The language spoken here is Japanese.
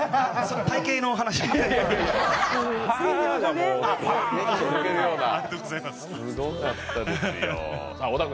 体形の話ですか？